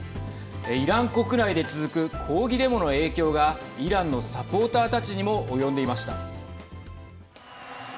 イラン国内で続く抗議デモの影響がイランのサポーターたちにも及んでいました。